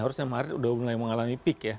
harusnya maret udah mulai mengalami peak ya